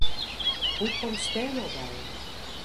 Hoe komst dêr no by?